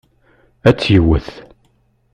Ad tt-yewwet.